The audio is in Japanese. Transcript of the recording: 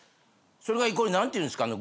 それが何ていうんですか？